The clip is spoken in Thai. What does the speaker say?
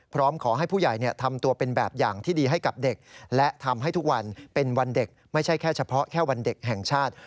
พร้อมขอให้ผู้ใหญ่ทำตัวเป็นแบบอย่างที่ดีให้กับเด็กและทำให้ทุกวันเป็นวันเด็กไม่ใช่แค่เฉพาะแค่วันเด็กแห่งชาติ